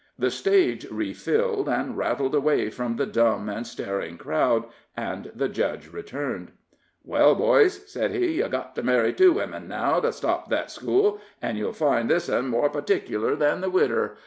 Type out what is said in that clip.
The stage refilled, and rattled away from the dumb and staring crowd, and the judge returned. "Well, boys," said he, "yer got to marry two women, now, to stop that school, an' you'll find this un more particler than the widder.